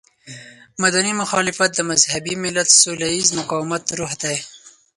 مدني مخالفت د مهذب ملت سوله ييز مقاومت روح دی.